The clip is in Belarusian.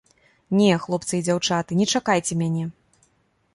Не, хлопцы і дзяўчаты, не чакайце мяне!